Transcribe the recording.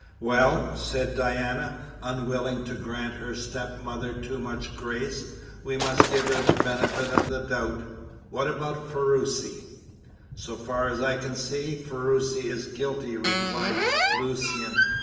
"Well," said Diana, unwilling to grant her stepmother too much grace, "we must give her the benefit of the doubt. What about Ferruci?" "So far as I can see, Ferruci is guilty," replied Lucian.